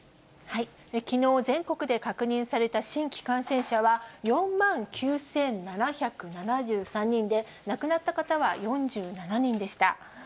きのう、全国で確認された新規感染者は、４万９７７３人で、亡くなった方は４７人でした。